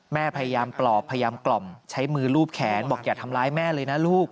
แม่พยายามปลอบพยายามกล่อมใช้มือรูปแขนบอกอย่าทำร้ายแม่เลยนะลูก